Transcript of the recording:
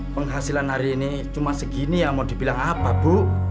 penghasilan hari ini cuma segini ya mau dibilang apa bu